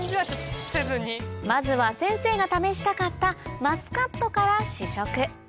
まずは先生が試したかったマスカットから試食